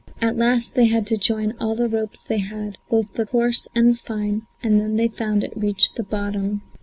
At last they had to join all the ropes they had, both the coarse and fine, and then they found it reached the bottom.